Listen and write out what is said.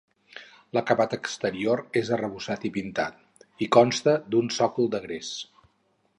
L'acabat exterior és arrebossat i pintat, i consta d'un sòcol de gres.